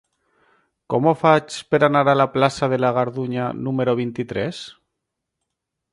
Com ho faig per anar a la plaça de la Gardunya número vint-i-tres?